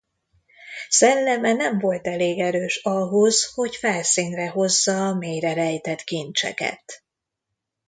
Szelleme nem volt elég erős ahhoz, hogy felszínre hozza a mélyre rejtett kincseket.